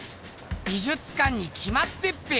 美術館にきまってっぺよ！